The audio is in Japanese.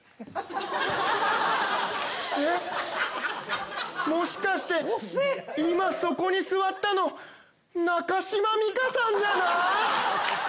えっもしかして今そこに座ったの中島美嘉さんじゃない！？